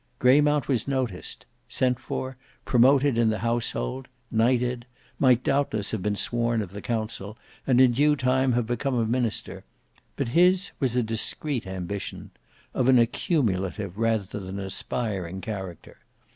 Greymount was noticed; sent for; promoted in the household; knighted; might doubtless have been sworn of the council, and in due time have become a minister; but his was a discreet ambition—of an accumulative rather than an aspiring character.